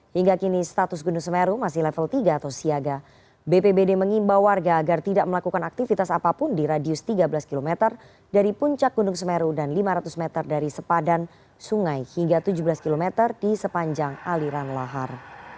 hingga kini status gunung semeru masih level tiga atau siaga bpbd mengimbau warga agar tidak melakukan aktivitas apapun di radius tiga belas km dari puncak gunung semeru dan lima ratus meter dari sepadan sungai hingga tujuh belas km di sepanjang aliran lahar